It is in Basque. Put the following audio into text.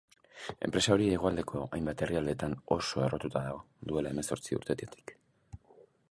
Enpresa hori hegoaldeko hainbat herrialdetan oso errotuta dago duela hemezortzi urtetatik.